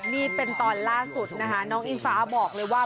นี่เป็นตอนล่าสุดนะคะน้องอิงฟ้าบอกเลยว่า